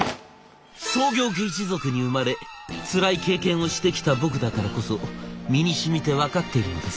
創業家一族に生まれつらい経験をしてきた僕だからこそ身にしみて分かっているのです。